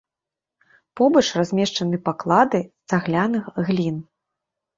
Побач размешчаны паклады цагляных глін.